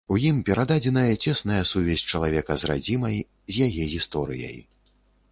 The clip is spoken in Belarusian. У ім перададзеная цесная сувязь чалавека з радзімай, з яе гісторыяй.